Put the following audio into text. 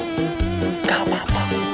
gak apa apa bu